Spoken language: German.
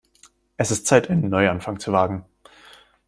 Es ist Zeit, einen Neuanfang zu wagen.